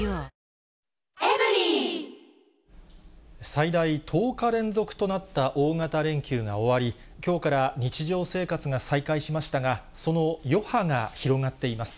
最大１０日連続となった大型連休が終わり、きょうから日常生活が再開しましたが、その余波が広がっています。